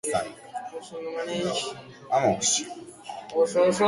Beraz, kontuz ekaitzekin, batez ere sasoi honetan dagoen beroa kontuan izanik.